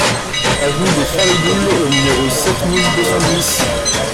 Avenue des Farigoules au numéro sept mille deux cent dix